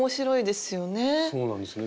そうなんですよね。